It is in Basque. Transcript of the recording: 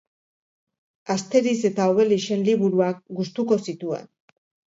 Asteriz eta Obelixen liburuak gustuko zituen.